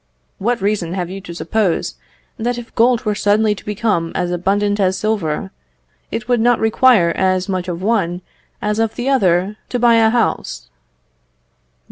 What reason have you to suppose that if gold were suddenly to become as abundant as silver, it would not require as much of one as of the other to buy a house?